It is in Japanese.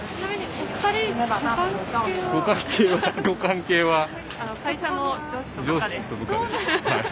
ご関係は？